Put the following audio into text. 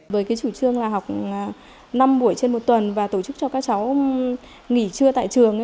với cái chủ trương là học năm buổi trên một tuần và tổ chức cho các cháu nghỉ trưa tại trường